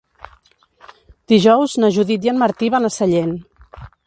Dijous na Judit i en Martí van a Sellent.